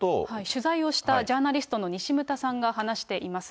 取材をしたジャーナリストの西牟田さんが話しています。